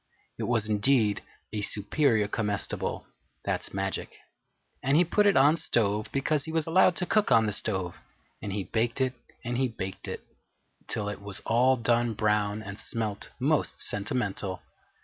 It was indeed a Superior Comestible (that's magic), and he put it on stove because he was allowed to cook on the stove, and he baked it and he baked it till it was all done brown and smelt most sentimental.